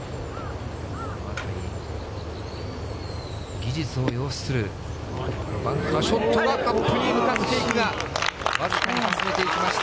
技術を擁するこのバンカーショットは、カップに向かっていくが、僅かに外れていきました。